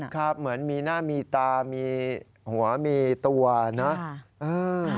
ครับเหมือนมีหน้ามีตามีหัวมีตัวนะ